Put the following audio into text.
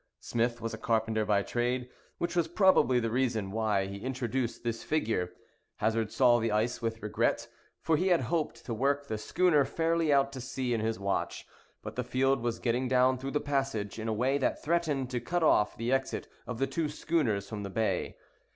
Smith was a carpenter by trade, which was probably the reason why he introduced this figure. Hazard saw the ice with regret, for he had hoped to work the schooner fairly out to sea in his watch; but the field was getting down through the passage in a way that threatened to cut off the exit of the two schooners from the bay.